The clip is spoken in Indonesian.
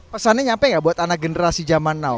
pesannya nyampe gak buat anak generasi zaman now